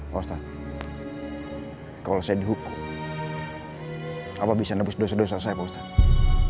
pak ustadz kalau saya dihukum apa bisa nebus dosa dosa saya pak ustadz